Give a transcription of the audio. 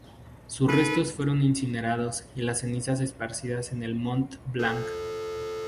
Sus restos fueron incinerados y las cenizas esparcidas en el Mont Blanc.